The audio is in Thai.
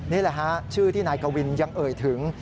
นี่แหละฮะชื่อที่นายกวินยังเอ่ยถึง